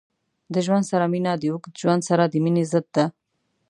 د ژوند سره مینه د اوږد ژوند سره د مینې ضد ده.